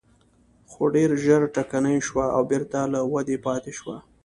خو ډېر ژر ټکنۍ شوه او بېرته له ودې پاتې شوه.